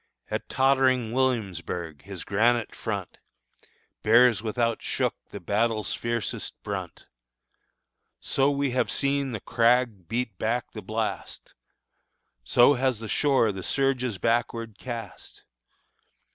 At tottering Williamsburg his granite front Bears without shook the battle's fiercest brunt. So have we seen the crag beat back the blast, So has the shore the surges backward cast.